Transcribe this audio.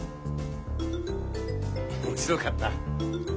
面白かった。